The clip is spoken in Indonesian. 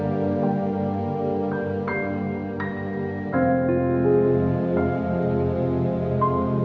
terima kasih ibu